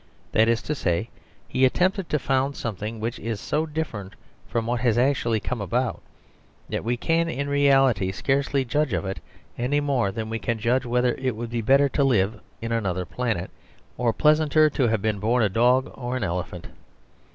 That is to say, he attempted to found something which is so different from what has actually come about that we can in reality scarcely judge of it, any more than we can judge whether it would be better to live in another planet, or pleasanter to have been born a dog or an elephant.